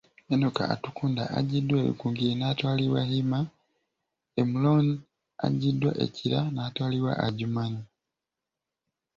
Enock Atukunda aggiddwa e Rukungiri n'atwalibwa Hima, Emuron aggiddwa e Kira n'atwalibwa e Adjumani.